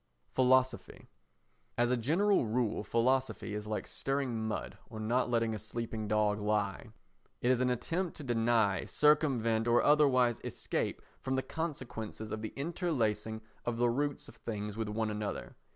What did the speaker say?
Philosophy As a general rule philosophy is like stirring mud or not letting a sleeping dog lie. It is an attempt to deny, circumvent or otherwise escape from the consequences of the interlacing of the roots of things with one another.